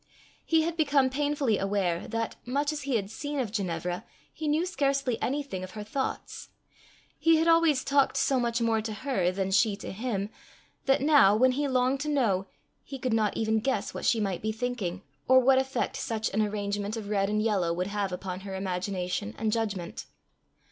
He had become painfully aware, that, much as he had seen of Ginevra, he knew scarcely anything of her thoughts; he had always talked so much more to her than she to him, that now, when he longed to know, he could not even guess what she might be thinking, or what effect such "an arrangement" of red and yellow would have upon her imagination and judgment.